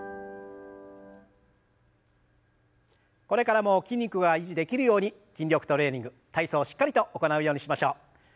これからも筋肉が維持できるように筋力トレーニング体操をしっかりと行うようにしましょう。